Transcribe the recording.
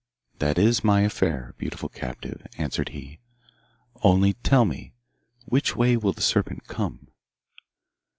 'That is my affair, beautiful captive,' answered he; 'only tell me, which way will the serpent come?